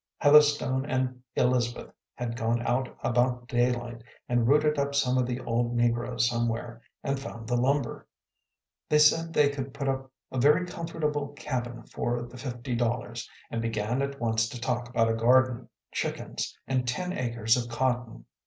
Heatherstone and Elizabeth had gone out about daylight and rooted up some of the old negroes somewhere, and found the lumber. They said they could put up a very comfortable cabin for the fifty dollars and began at once to talk about a garden, chickens and ten acres of cotton.